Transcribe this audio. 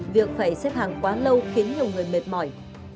việc phải xếp hàng quá lâu khiến nhiều người mệt mỏi